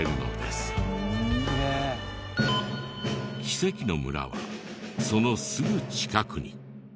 奇跡の村はそのすぐ近くに。